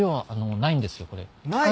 ない？